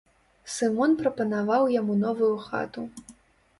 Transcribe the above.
Сымон прапанаваў яму новую хату.